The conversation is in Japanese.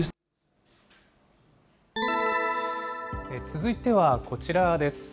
続いてはこちらです。